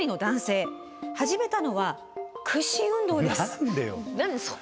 始めたのは屈伸運動です。